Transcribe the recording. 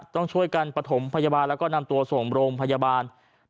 ต้องช่วยกันประถมพยาบาลแล้วก็นำตัวส่งโรงพยาบาล